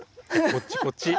こっちこっち。